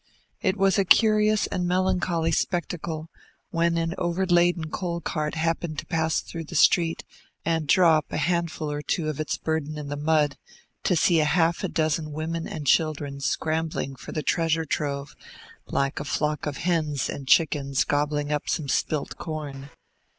It was a curious and melancholy spectacle, when an overladen coal cart happened to pass through the street and drop a handful or two of its burden in the mud, to see half a dozen women and children scrambling for the treasure trove, like a flock of hens and chickens gobbling up some spilt corn.